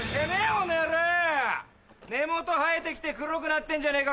この野郎根元生えてきて黒くなってんじゃねえか